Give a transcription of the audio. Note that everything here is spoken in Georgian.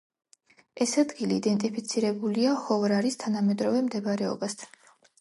ეს ადგილი იდენტიფიცირებულია ჰოვრაჰის თანამედროვე მდებარეობასთან.